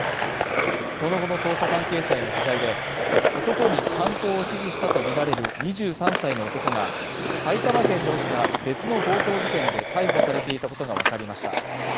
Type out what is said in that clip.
その後の捜査関係者への取材で、男に犯行を指示したとみられる２３歳の男が、埼玉県で起きた別の強盗事件で逮捕されていたことがわかりました。